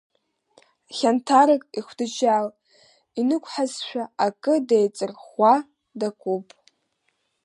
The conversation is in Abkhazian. Хьанҭарак ихәдаџьал инықәҳазшәа, акы деиҵарӷәӷәа дакуп.